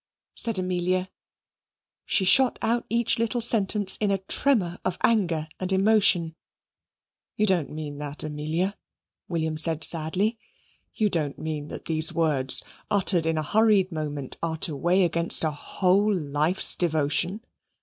said Amelia. She shot out each little sentence in a tremor of anger and emotion. "You don't mean that, Amelia?" William said sadly. "You don't mean that these words, uttered in a hurried moment, are to weigh against a whole life's devotion?